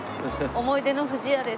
思い出の不二家です。